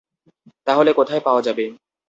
তাহলে কোথায় পাওয়া যাবে?